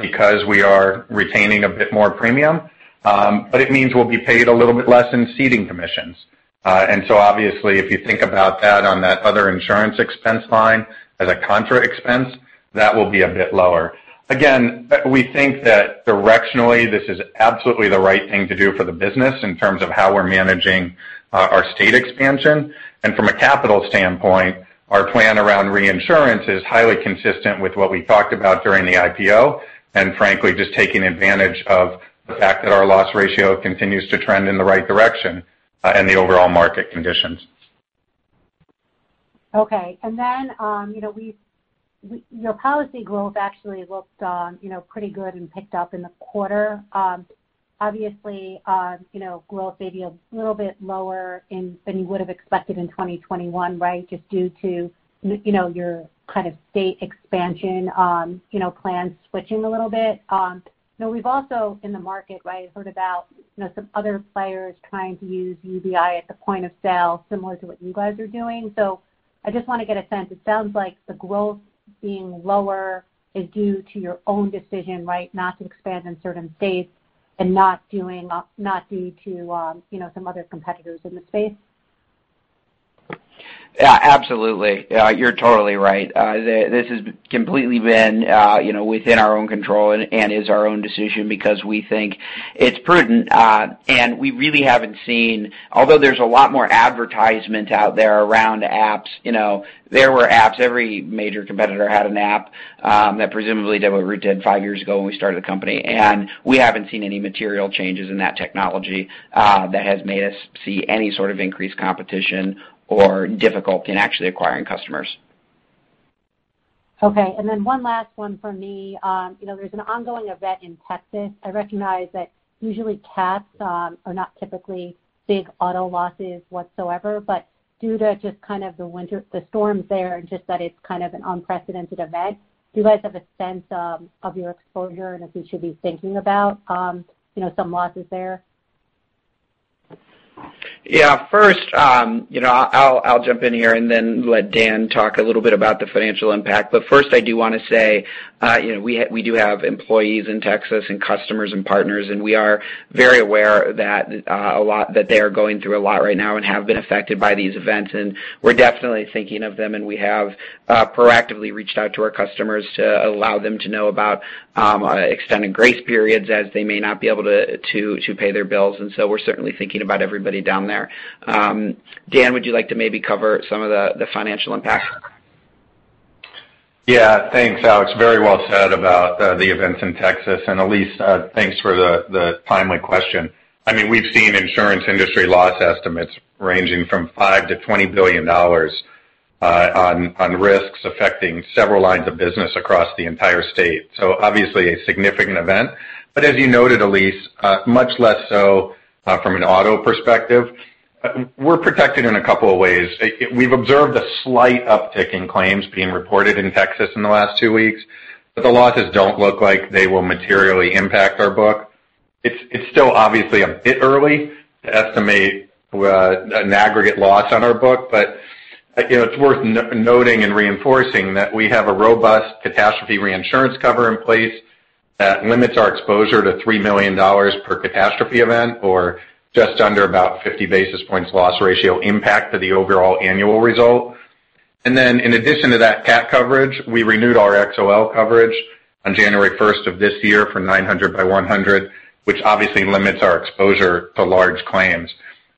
because we are retaining a bit more premium. It means we'll be paid a little bit less in ceding commissions. Obviously if you think about that on that other insurance expense line as a contra expense, that will be a bit lower. Again, we think that directionally this is absolutely the right thing to do for the business in terms of how we're managing our state expansion. From a capital standpoint, our plan around reinsurance is highly consistent with what we talked about during the IPO, and frankly, just taking advantage of the fact that our loss ratio continues to trend in the right direction, and the overall market conditions. Okay. Then, policy growth actually looked pretty good and picked up in the quarter. Obviously, growth may be a little bit lower than you would've expected in 2021, right? Just due to your kind of state expansion plans switching a little bit. Now we've also in the market, right, heard about some other players trying to use UBI at the point of sale similar to what you guys are doing. I just want to get a sense. It sounds like the growth being lower is due to your own decision, right, not to expand in certain states and not due to some other competitors in the space. Yeah, absolutely. You're totally right. This has completely been within our own control and is our own decision because we think it's prudent. We really haven't seen, although there's a lot more advertisement out there around apps. There were apps, every major competitor had an app, that presumably did what Root did five years ago when we started the company. We haven't seen any material changes in that technology that has made us see any sort of increased competition or difficulty in actually acquiring customers. Okay. One last one from me. There's an ongoing event in Texas. I recognize that usually cat losses are not typically big auto losses whatsoever, but due to just kind of the winter, the storms there, just that it's kind of an unprecedented event. Do you guys have a sense of your exposure and if we should be thinking about some losses there? Yeah. First, I will jump in here then let Dan talk a little bit about the financial impact, first I do want to say, we do have employees in Texas and customers and partners, and we are very aware that they're going through a lot right now and have been affected by these events, and we're definitely thinking of them, and we have proactively reached out to our customers to allow them to know about extended grace periods as they may not be able to pay their bills. We're certainly thinking about everybody down there. Dan, would you like to maybe cover some of the financial impact? Yeah, thanks, Alex. Very well said about the events in Texas. Elyse, thanks for the timely question. I mean, we've seen insurance industry loss estimates ranging from $5 billion-$20 billion on risks affecting several lines of business across the entire state. Obviously a significant event, but as you noted, Elyse, much less so from an auto perspective. We're protected in a couple of ways. We've observed a slight uptick in claims being reported in Texas in the last two weeks, but the losses don't look like they will materially impact our book. It's still obviously a bit early to estimate an aggregate loss on our book, but it's worth noting and reinforcing that we have a robust catastrophe reinsurance cover in place that limits our exposure to $3 million per catastrophe event or just under about 50 basis points loss ratio impact to the overall annual result. In addition to that CAT coverage, we renewed our XOL coverage on January 1st of this year for $900 million by $100 million, which obviously limits our exposure to large claims.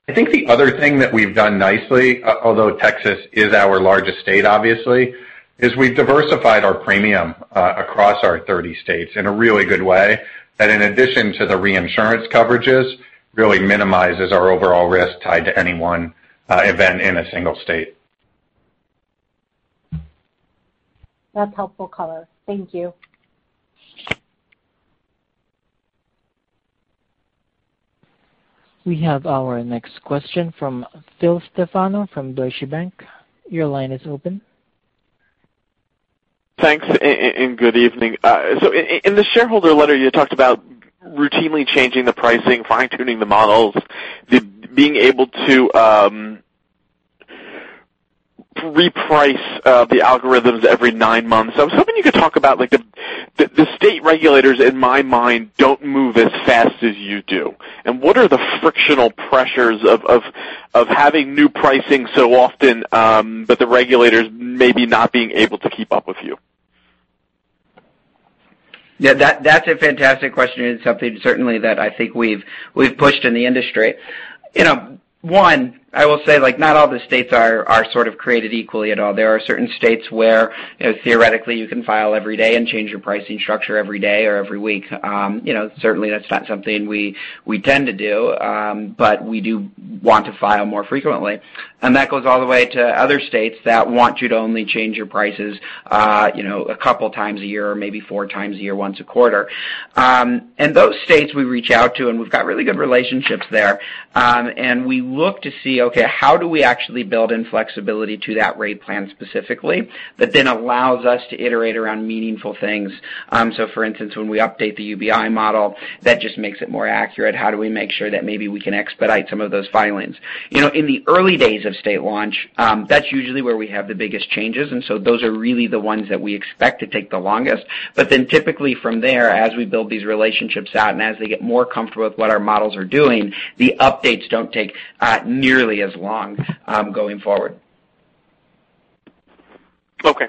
I think the other thing that we've done nicely, although Texas is our largest state, obviously, is we've diversified our premium across our 30 states in a really good way that in addition to the reinsurance coverages, really minimizes our overall risk tied to any one event in a single state. That's helpful color. Thank you. We have our next question from Phil Stefano from Deutsche Bank. Your line is open. Thanks, and good evening. In the shareholder letter, you talked about routinely changing the pricing, fine-tuning the models, being able to reprice the algorithms every nine months. I was hoping you could talk about the state regulators, in my mind, don't move as fast as you do. What are the frictional pressures of having new pricing so often, but the regulators maybe not being able to keep up with you? That's a fantastic question, and something certainly that I think we've pushed in the industry. One, I will say, not all the states are sort of created equally at all. There are certain states where theoretically you can file every day and change your pricing structure every day or every week. Certainly, that's not something we tend to do, but we do want to file more frequently. That goes all the way to other states that want you to only change your prices a couple of times a year, or maybe four times a year, once a quarter. Those states we reach out to, and we've got really good relationships there. We look to see, okay, how do we actually build in flexibility to that rate plan specifically that then allows us to iterate around meaningful things. For instance, when we update the UBI model, that just makes it more accurate. How do we make sure that maybe we can expedite some of those filings? In the early days of state launch, that's usually where we have the biggest changes, those are really the ones that we expect to take the longest. Typically from there, as we build these relationships out and as they get more comfortable with what our models are doing, the updates don't take nearly as long going forward. Okay.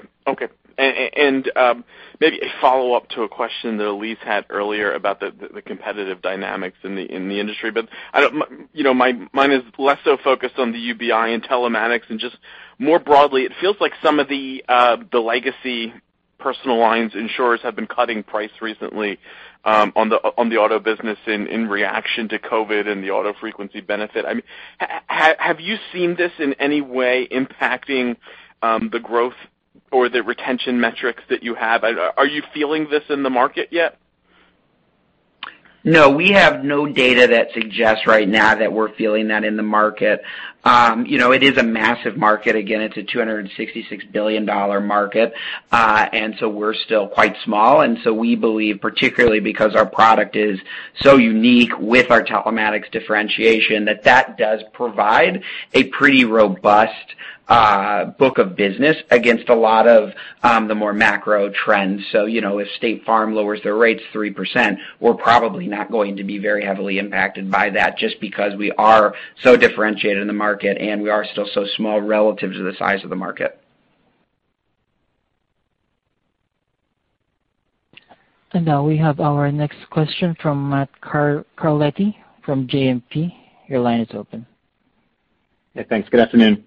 Maybe a follow-up to a question that Elyse had earlier about the competitive dynamics in the industry. Mine is less so focused on the UBI and telematics and just more broadly, it feels like some of the legacy personal lines insurers have been cutting price recently on the auto business in reaction to COVID and the auto frequency benefit. Have you seen this in any way impacting the growth or the retention metrics that you have? Are you feeling this in the market yet? No, we have no data that suggests right now that we're feeling that in the market. It is a massive market. Again, it's a $266 billion market. We're still quite small. We believe, particularly because our product is so unique with our telematics differentiation, that that does provide a pretty robust book of business against a lot of the more macro trends. If State Farm lowers their rates 3%, we're probably not going to be very heavily impacted by that just because we are so differentiated in the market, and we are still so small relative to the size of the market. Now we have our next question from Matt Carletti from JMP. Your line is open. Yeah, thanks. Good afternoon.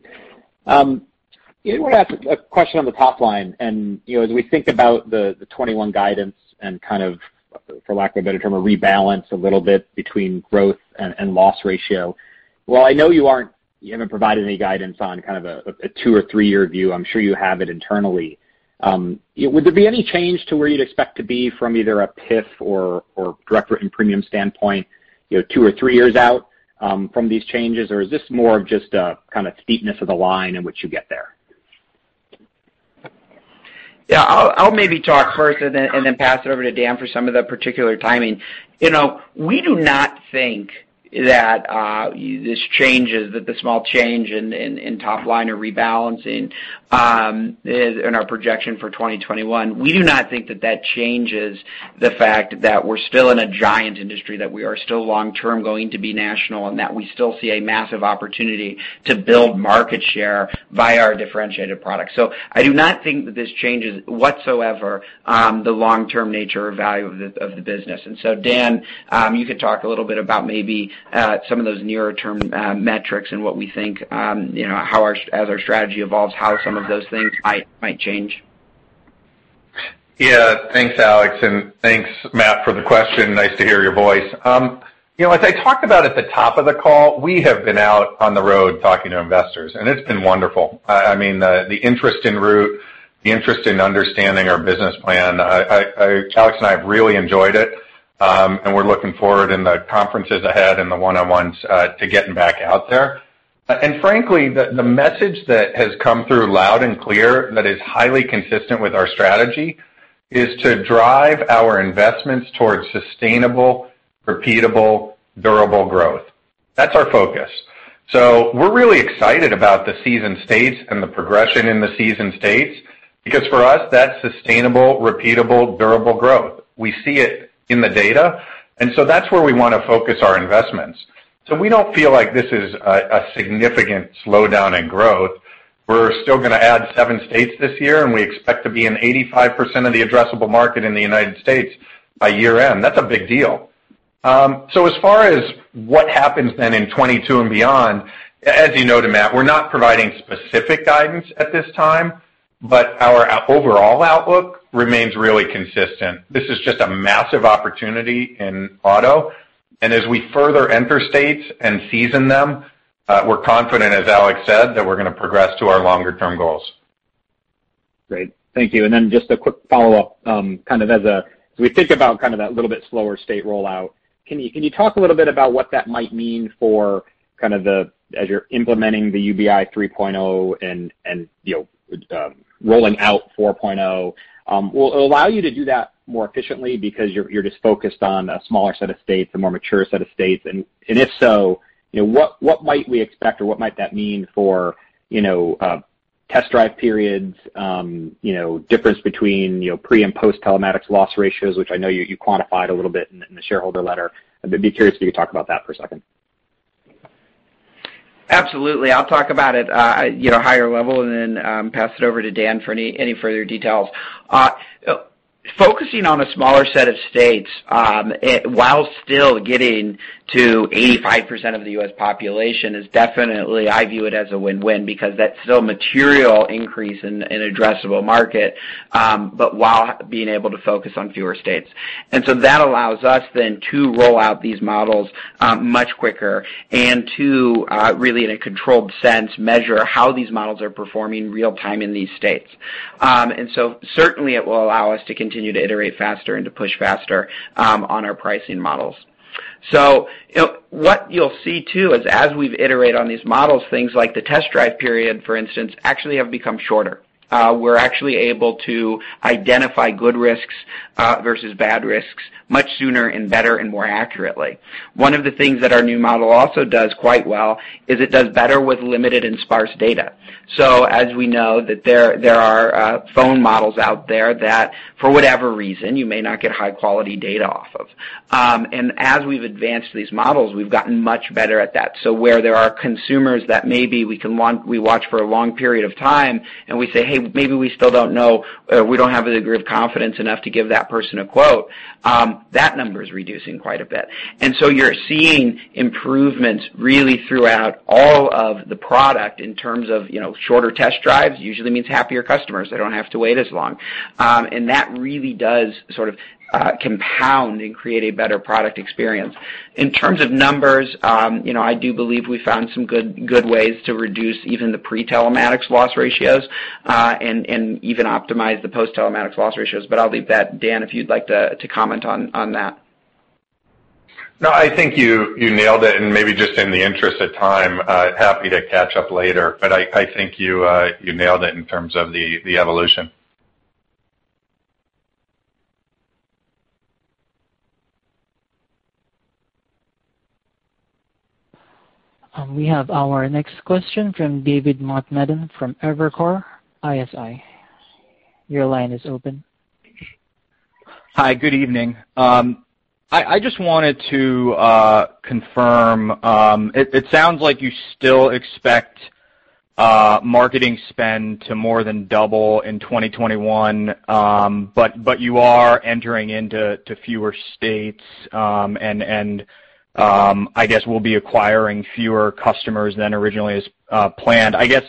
I want to ask a question on the top line. As we think about the 2021 guidance and kind of, for lack of a better term, a rebalance a little bit between growth and loss ratio. While I know you haven't provided any guidance on kind of a two- or three-year view, I'm sure you have it internally. Would there be any change to where you'd expect to be from either a PIF or Direct Written Premium standpoint two or three years out from these changes? Is this more of just a kind of steepness of the line in which you get there? Yeah, I'll maybe talk first and then pass it over to Dan for some of the particular timing. We do not think that this small change in top line or rebalancing in our projection for 2021, we do not think that that changes the fact that we're still in a giant industry, that we are still long-term going to be national, and that we still see a massive opportunity to build market share via our differentiated product. I do not think that this changes whatsoever the long-term nature or value of the business. Dan, you could talk a little bit about maybe some of those nearer-term metrics and what we think as our strategy evolves, how some of those things might change. Yeah. Thanks, Alex, and thanks, Matt, for the question. Nice to hear your voice. As I talked about at the top of the call, we have been out on the road talking to investors, and it's been wonderful. I mean, the interest in Root, the interest in understanding our business plan. Alex and I have really enjoyed it. We're looking forward in the conferences ahead and the one-on-ones to getting back out there. Frankly, the message that has come through loud and clear that is highly consistent with our strategy is to drive our investments towards sustainable, repeatable, durable growth. That's our focus. We're really excited about the seasoned states and the progression in the seasoned states, because for us, that's sustainable, repeatable, durable growth. We see it in the data, that's where we want to focus our investments. We don't feel like this is a significant slowdown in growth. We're still going to add seven states this year, and we expect to be in 85% of the addressable market in the United States by year-end. That's a big deal. As far as what happens then in 2022 and beyond, as you know, Matt, we're not providing specific guidance at this time, but our overall outlook remains really consistent. This is just a massive opportunity in auto, and as we further enter states and season them, we're confident, as Alex said, that we're going to progress to our longer-term goals. Great. Thank you. Then just a quick follow-up, as we think about that little bit slower state rollout, can you talk a little bit about what that might mean for as you're implementing the UBI 3.0 and rolling out 4.0? Will it allow you to do that more efficiently because you're just focused on a smaller set of states, a more mature set of states? If so, what might we expect or what might that mean for test drive periods, difference between pre- and post-telematics loss ratios, which I know you quantified a little bit in the shareholder letter. I'd be curious if you could talk about that for a second. Absolutely. I'll talk about it higher level and then pass it over to Dan for any further details. Focusing on a smaller set of states while still getting to 85% of the US population is definitely, I view it as a win-win because that's still a material increase in addressable market, but while being able to focus on fewer states. That allows us then to roll out these models much quicker and to really, in a controlled sense, measure how these models are performing real time in these states. Certainly it will allow us to continue to iterate faster and to push faster on our pricing models. What you'll see too is as we iterate on these models, things like the test drive period, for instance, actually have become shorter. We're actually able to identify good risks versus bad risks much sooner and better and more accurately. One of the things that our new model also does quite well is it does better with limited and sparse data. As we know that there are phone models out there that, for whatever reason, you may not get high quality data off of. As we've advanced these models, we've gotten much better at that. Where there are consumers that maybe we watch for a long period of time and we say, "Hey, maybe we still don't know. We don't have a degree of confidence enough to give that person a quote," that number is reducing quite a bit. You're seeing improvements really throughout all of the product in terms of shorter test drives usually means happier customers. They don't have to wait as long. That really does compound and create a better product experience. In terms of numbers, I do believe we found some good ways to reduce even the pre-telematics loss ratios, and even optimize the post-telematics loss ratios. I'll leave that, Dan, if you'd like to comment on that. No, I think you nailed it. Maybe just in the interest of time, happy to catch up later. I think you nailed it in terms of the evolution. We have our next question from David Motemaden from Evercore ISI. Your line is open. Hi, good evening. I just wanted to confirm, it sounds like you still expect marketing spend to more than double in 2021, but you are entering into fewer states, and I guess we'll be acquiring fewer customers than originally as planned. I guess,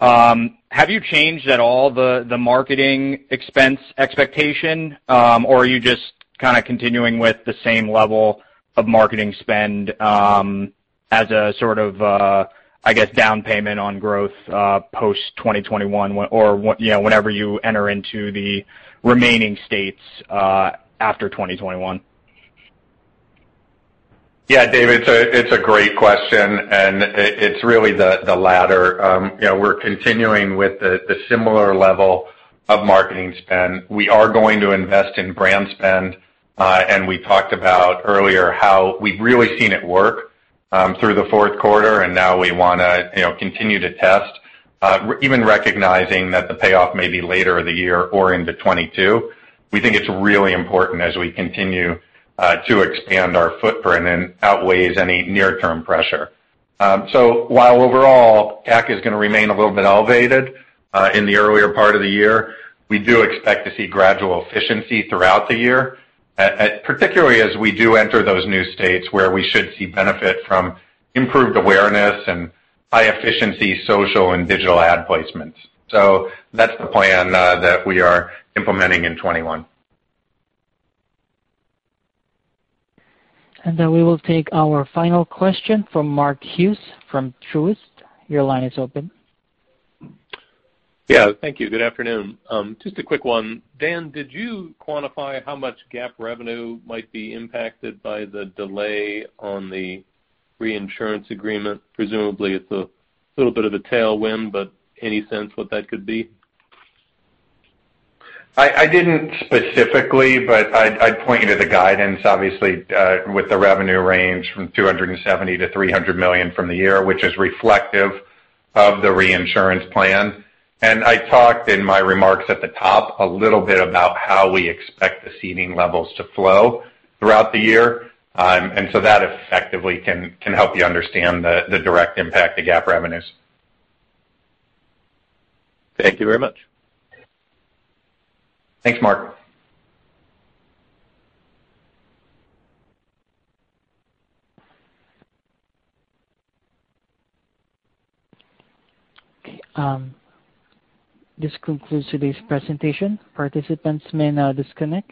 have you changed at all the marketing expense expectation? Are you just continuing with the same level of marketing spend as a sort of, I guess, down payment on growth post-2021 or whenever you enter into the remaining states after 2021? Yeah, David, it's a great question, and it's really the latter. We're continuing with the similar level of marketing spend. We are going to invest in brand spend, and we talked about earlier how we've really seen it work through the fourth quarter. Now we want to continue to test. Even recognizing that the payoff may be later in the year or into 2022, we think it's really important as we continue to expand our footprint and outweighs any near-term pressure. While overall CAC is going to remain a little bit elevated in the earlier part of the year, we do expect to see gradual efficiency throughout the year, particularly as we do enter those new states where we should see benefit from improved awareness and high efficiency social and digital ad placements. That's the plan that we are implementing in 2021. We will take our final question from Mark Hughes from Truist. Your line is open. Yeah. Thank you. Good afternoon. Just a quick one. Dan, did you quantify how much GAAP revenue might be impacted by the delay on the reinsurance agreement? Presumably it's a little bit of a tailwind, but any sense what that could be? I didn't specifically. I'd point you to the guidance, obviously, with the revenue range from $270 million-$300 million for the year, which is reflective of the reinsurance plan. I talked in my remarks at the top a little bit about how we expect the ceding levels to flow throughout the year. That effectively can help you understand the direct impact to GAAP revenues. Thank you very much. Thanks, Mark. Okay. This concludes today's presentation. Participants may now disconnect.